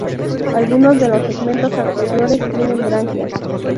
Algunos de los segmentos anteriores tienen branquias.